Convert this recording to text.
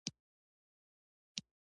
شفقت د انساني اړیکو روح دی.